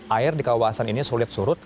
air di kawasan ini sulit surut